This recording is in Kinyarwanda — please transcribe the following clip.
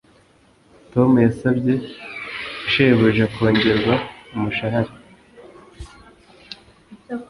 Tom yasabye shebuja kongererwa umushahara